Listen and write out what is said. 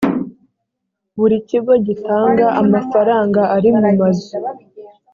buri kigo gitanga amafaranga arimumazu